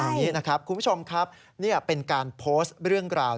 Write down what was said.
คุณผู้ชมครับนี่เป็นการโพสต์เรื่องราว